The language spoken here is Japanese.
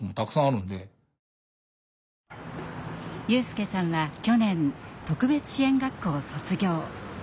友祐さんは去年特別支援学校を卒業。